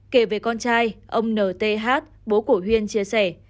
kể về con trai ông nth bố của huyên chia sẻ